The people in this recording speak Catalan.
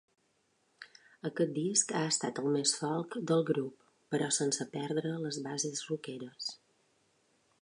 Aquest disc ha estat el més folk del grup, però sense perdre les bases rockeres.